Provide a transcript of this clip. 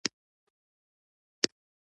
غول د خوځښت کمښت نه زغمي.